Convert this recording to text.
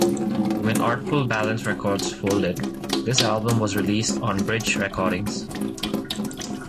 When Artful Balance Records folded, this album was re-released on Bridge Recordings.